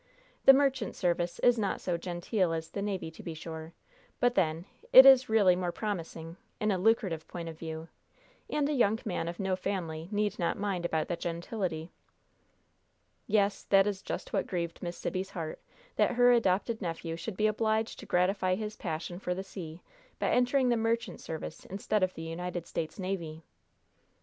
The merchant service is not so genteel as the navy, to be sure, but, then, it is really more promising, in a lucrative point of view, and a young man of no family need not mind about the gentility." "Yet that is just what grieved Miss Sibby's heart that her adopted nephew should be obliged to gratify his passion for the sea by entering the merchant service instead of the United States Navy."